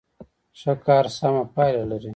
ښه کار سمه پایله لري.